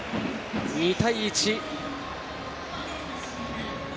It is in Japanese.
２対１。